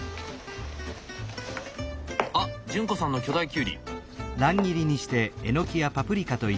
あっ潤子さんの巨大きゅうり。